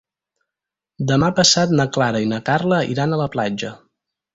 Demà passat na Clara i na Carla iran a la platja.